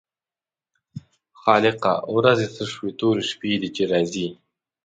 خالقه ورځې څه شوې تورې شپې دي چې راځي.